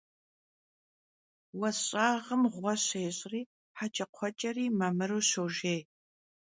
Vues ş'ağım ğue şêş'ri heç'ekxhueç'eri mamıru şojjêy.